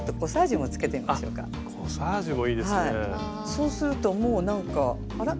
そうするともうなんかあらっ